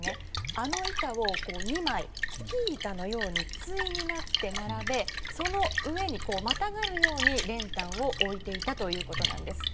あの板を２枚スキー板のように対になって並べその上にまたがるように練炭を置いていたということなんです。